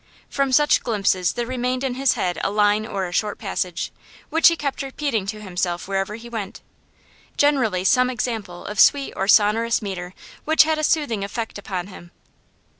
From such glimpses there remained in his head a line or a short passage, which he kept repeating to himself wherever he went; generally some example of sweet or sonorous metre which had a soothing effect upon him.